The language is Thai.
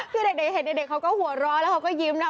คือเด็กเห็นเด็กเขาก็หัวร้อนแล้วเขาก็ยิ้มนะ